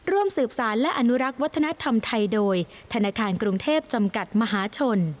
ร่วมสืบสารและอนุรักษ์วัฒนธรรมไทยโดยธนาคารกรุงเทพจำกัดมหาชน